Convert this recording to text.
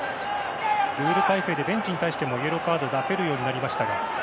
ルール改正で、ベンチに対してもイエローカード出せるようになりました。